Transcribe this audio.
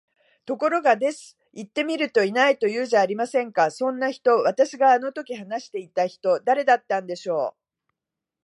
ところが、です。行ってみると居ないと言うじゃありませんか、そんな人。私があの時話していた人、誰だったんでしょう？